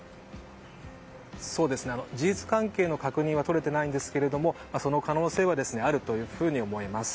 事実関係の確認は取れていませんがその可能性はあるというふうに思います。